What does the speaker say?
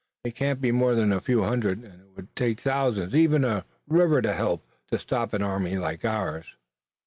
"They can't be more than a few hundreds, and it would take thousands, even with a river to help, to stop an army like ours."